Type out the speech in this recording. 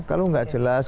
kalau tidak jelas